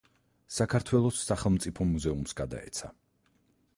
საქართველოს სახელმწიფო მუზეუმს გადაეცა.